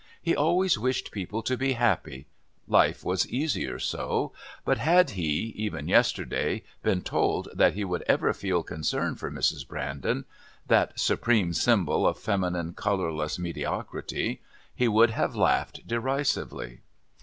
He always wished people to be happy life was easier so but had he, even yesterday, been told that he would ever feel concern for Mrs. Brandon, that supreme symbol of feminine colourless mediocrity, he would have laughed derisively.